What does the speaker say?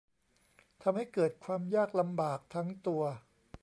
ทำให้เกิดความยากลำบากทั้งตัว